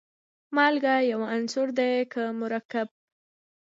مالګه یو عنصر دی که مرکب.